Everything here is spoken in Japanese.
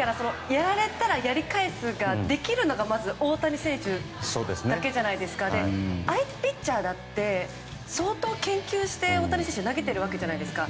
やられたらやりかえすができるのが大谷選手だけで相手ピッチャーだって相当研究して大谷選手に投げているわけじゃないですか。